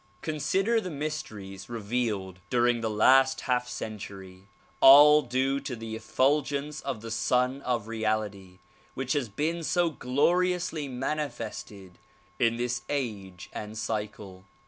Consider the mysteries revealed during the last half century ; all due to the effulgence of the Sun of Reality which has been so glori ously manifested in this age and cycle.